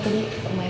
kalau di rumah lu